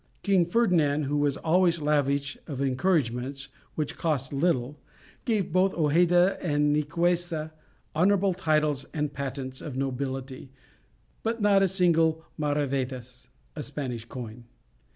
King Ferdinand, who was always lavish of encouragements which cost little, gave both Hojeda and Nicuessa honourable titles and patents of nobility, but not a single maravédis (a Spanish coin).